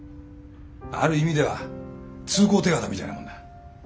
ある意味では通行手形みたいなもんだ。